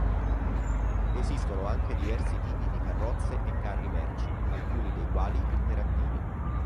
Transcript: Esistono anche diversi tipi di carrozze e carri merci, alcuni dei quali interattivi.